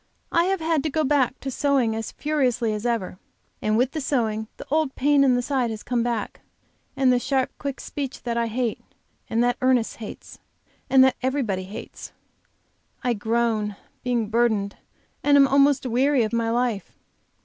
I have had to go back to sewing as furiously as ever. And with the sewing the old pain in the side has come back, and the sharp, quick speech that I hate, and, that Ernest hates, and that everybody hates. I groan, being burdened, and am almost weary of my life.